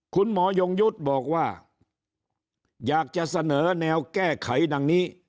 คุณหมอยงยุทธ์บอกว่าอยากจะเสนอแนวแก้ไขดังนี้